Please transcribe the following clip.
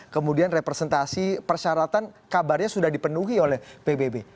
kemudian representasi persyaratan kabarnya sudah dipenuhi oleh pbb